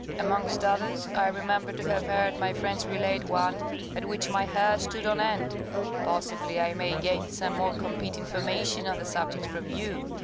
Amongst others, I remember to have heard my friends relate one at which my hair stood on end. Possibly I may gain some more complete information on the subject from you.